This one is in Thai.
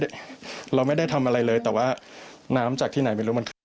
เราไม่ได้ทำอะไรเลยแต่ว่าน้ำจากที่ไหนไม่รู้มันขึ้น